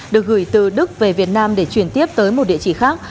được gửi từ đức về việt nam để chuyển tiếp tới một địa chỉ khác